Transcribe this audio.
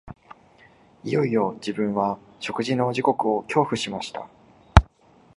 いよいよ自分は食事の時刻を恐怖しました